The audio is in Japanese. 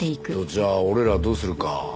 じゃあ俺らはどうするか？